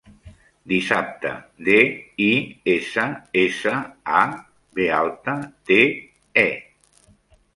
Dissabte: de, i, essa, essa, a, be alta, te, e.